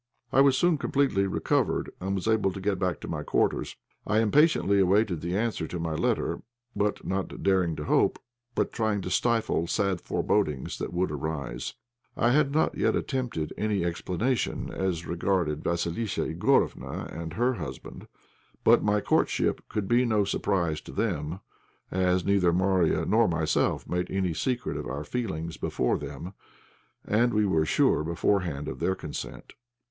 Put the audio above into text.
I was soon completely recovered, and was able to go back to my quarters. I impatiently awaited the answer to my letter, not daring to hope, but trying to stifle sad forebodings that would arise. I had not yet attempted any explanation as regarded Vassilissa Igorofna and her husband. But my courtship could be no surprise to them, as neither Marya nor myself made any secret of our feelings before them, and we were sure beforehand of their consent.